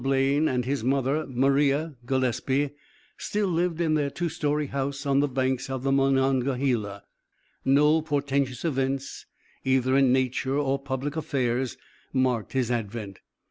Blaine, and his mother, Maria Gillespie, still lived in their two story house on the banks of the Monongahela. No portentious events, either in nature or public affairs, marked his advent.